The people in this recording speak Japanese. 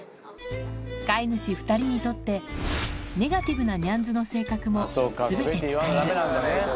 飼い主２人にとって、ネガティブなニャンズの性格もすべて伝える。